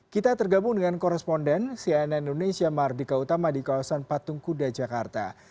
kita tergabung dengan koresponden cnn indonesia mardika utama di kawasan patung kuda jakarta